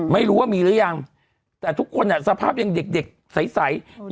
ไม่รู้ว่ามีหรือยังแต่ทุกคนสภาพยังเด็กใส